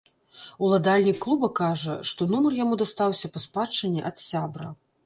Уладальнік клуба кажа, што нумар яму дастаўся па спадчыне ад сябра.